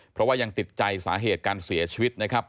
เพราะว่ายังติดใจสาเหตุการเสียชีวิตนะครับ